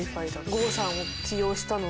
郷さんを起用したのも。